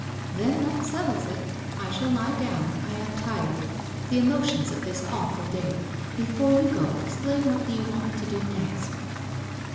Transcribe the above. ' Then that settles it. I shall lie down. I am tired — the emotions of this awful day — before you go explain what do you want me to do next